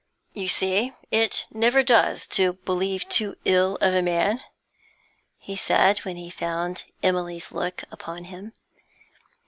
'You see, it never does to believe too ill of a man,' he said, when he found Emily's look upon him.